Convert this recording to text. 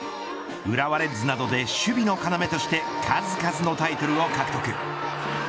浦和レッズなどで守備の要として数々のタイトルを獲得。